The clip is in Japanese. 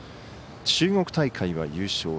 中国大会は優勝。